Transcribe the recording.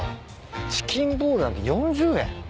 チキンボールなんて４０円。